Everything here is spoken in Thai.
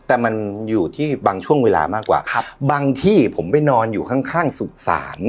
แต่มันอยู่ที่บางช่วงเวลามากกว่าครับบางที่ผมไปนอนอยู่ข้างข้างสุสาน